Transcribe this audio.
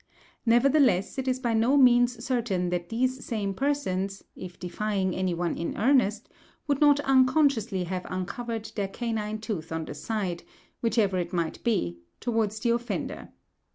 Nevertheless it is by no means certain that these same persons, if defying any one in earnest, would not unconsciously have uncovered their canine tooth on the side, whichever it might be, towards the offender.